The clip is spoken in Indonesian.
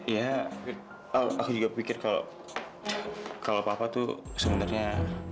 ya aku juga pikir kalau papa itu sebenarnya